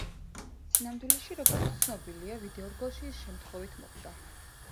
სინამდვილეში, როგორც ცნობილია, ვიდეორგოლში ის შემთხვევით მოხვდა.